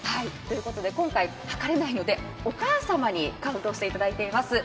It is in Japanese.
今回、測れないのでお母様にカウントしていただいています。